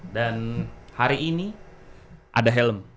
dan hari ini ada helm